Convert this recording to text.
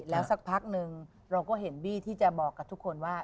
แล้วสักพักนึงเราก็เห็นบี้ที่จะบอกกับทุกคนว่า